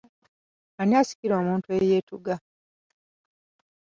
Ani asikira omuntu eyeetuga?